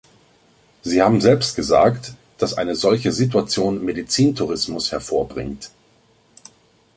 Sie haben selbst gesagt, dass eine solche Situation Medizintourismus hervorbringt.